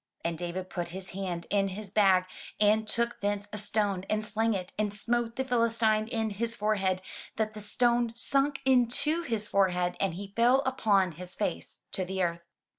And David put his hand in his bag, and took thence a stone, and slang it, and smote the Philistine in his forehead, that the stone sunk into his forehead; and he fell upon his face to the earth.